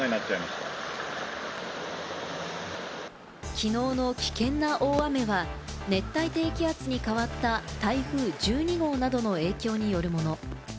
きのうの危険な大雨は、熱帯低気圧に変わった台風１２号などの影響によるもの。